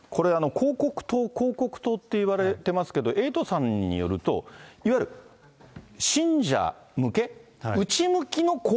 広告塔、広告塔っていわれてますけど、エイトさんによると、いわゆる信者向け、そうなんです。